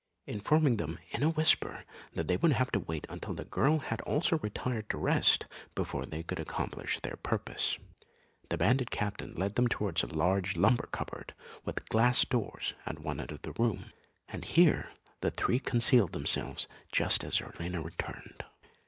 Informing them in a whisper that they would have to wait until the girl had also retired to rest before they could accomplish their purpose, the bandit captain led them towards a large lumber cupboard, with glass doors, at one end of the room; and here the three concealed themselves just as Zerlina returned.